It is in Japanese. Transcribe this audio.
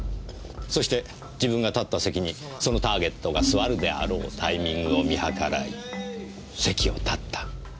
そして自分が立った席にそのターゲットが座るであろうタイミングを見計らい席を立った。